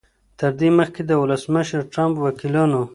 تر دې مخکې د ولسمشر ټرمپ وکیلانو